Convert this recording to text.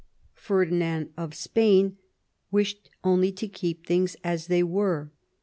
Ferdinand of Spain wished only to keep things as they were.